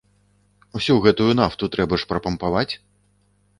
Усю гэтую нафту трэба ж прапампаваць!